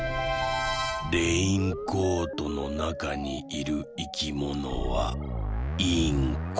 レインコートのなかにいるいきものは「インコ」。